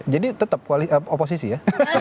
jadi tetap oposisi ya